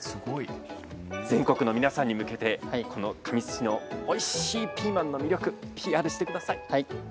全国の皆さんに向けてこの神栖市のおいしいピーマンの魅力ＰＲしてください。